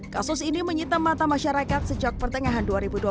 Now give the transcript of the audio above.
kasus ini menyita mata masyarakat sejak pertengahan dua ribu dua puluh